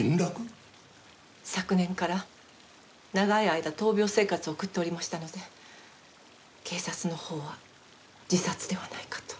昨年から長い間闘病生活を送っておりましたので警察のほうは自殺ではないかと。